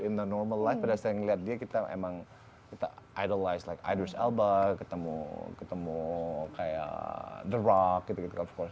karena pada saat di airbnb in the normal life pada saat ngeliat dia kita emang kita idolize like idris elba ketemu kayak the rock gitu gitu